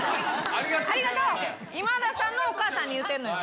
今田さんのお母さんに言うてんのよ。